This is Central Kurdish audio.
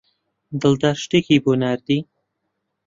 دڵدار شتێکی بۆ ناردی.